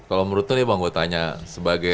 kalau menurutnya bang gue tanya sebagai